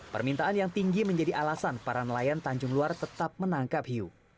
permintaan yang tinggi menjadi alasan para nelayan tanjung luar tetap menangkap hiu